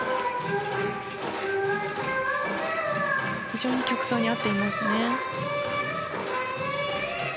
非常に曲想に合っていますね。